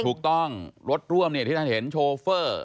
รถร่วมที่ท่านเห็นโชเฟอร์